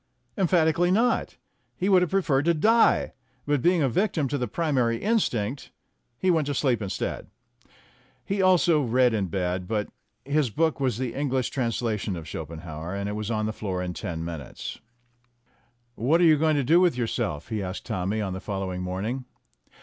Emphatically not; he would have preferred to die, but being a victim to the primary instinct, he went to sleep instead. He also read in bed, but his book was the English translation of Schopenhauer, and it was on the floor in ten min utes. "What are you going to do with yourself?" he asked Tommy on the following morning.